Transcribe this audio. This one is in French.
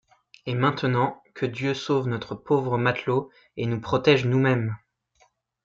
Et maintenant, que Dieu sauve notre pauvre matelot, et nous protège nous-mêmes!